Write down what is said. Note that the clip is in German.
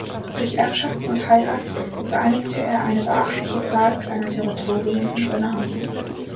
Durch Erbschaften und Heirat vereinigte er eine beachtliche Zahl kleiner Territorien in seiner Hand.